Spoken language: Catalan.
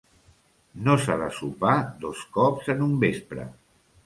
No s'ha de sopar dos cops en un vespre.